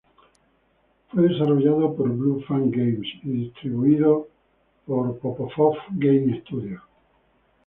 Fue desarrollado por Blue Fang Games y distribuido por Microsoft Game Studios.